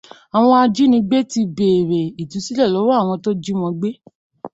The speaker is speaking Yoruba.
Àwọn ajínigbé ti bèèrè ìtúsílẹ̀ lọ́wọ́ àwọn tó jí wọn gbé.